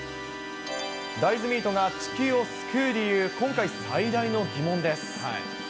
大豆ミートが地球を救う理由、今回最大の疑問です。